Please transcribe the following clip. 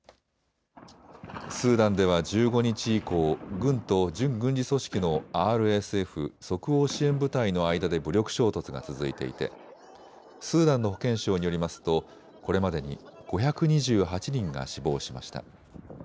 スーダンでは１５日以降、軍と準軍事組織のＲＳＦ・即応支援部隊の間で武力衝突が続いていてスーダンの保健省によりますとこれまでに５２８人が死亡しました。